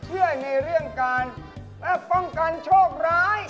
เชื่อในเรื่องการและป้องกันโชคร้าย